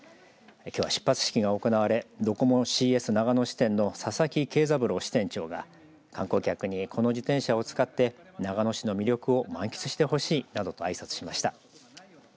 きょうは出発式が行われドコモＣＳ長野支店の佐々木啓三郎支店長が観光客に、この自転車を使って長野市の魅力を満喫してほしいなどと、あいさつしました。